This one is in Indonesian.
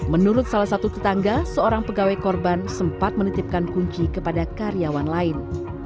menurut salah satu tetangga seorang pegawai korban sempat menitipkan kunci kepada karyawan lain